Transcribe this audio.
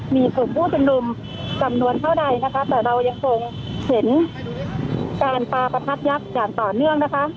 มีกลุ่มผู้ชุมนุมจำนวนเท่าใดนะคะแต่เรายังคงเห็นการปลาประทัดยักษ์อย่างต่อเนื่องนะคะ